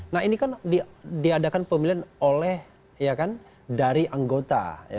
nah ini kan diadakan pemilihan oleh ya kan dari anggota